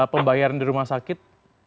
pembayaran di rumah sakit